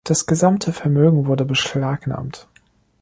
Das gesamte Vermögen wurde beschlagnahmt.